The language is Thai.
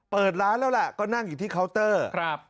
เปิดร้านแล้วแหละก็นั่งอยู่ที่เคาน์เตอร์ครับ